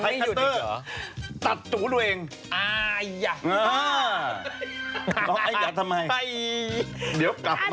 ไม่ชอบแก้ไหมเดี๋ยว